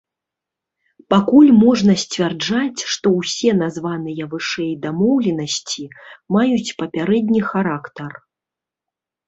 Пакуль можна сцвярджаць, што ўсе названыя вышэй дамоўленасці маюць папярэдні характар.